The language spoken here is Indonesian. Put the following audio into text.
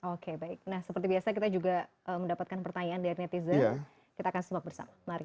oke baik nah seperti biasa kita juga mendapatkan pertanyaan dari netizen kita akan simak bersama mari